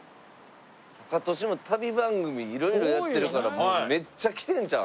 タカトシも旅番組色々やってるからめっちゃ来てるんちゃう？